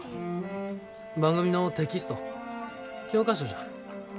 番組のテキスト教科書じゃ。